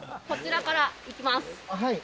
こちらから行きます。